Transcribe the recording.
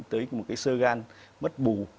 câu chuyện của một cái viêm gan mất bù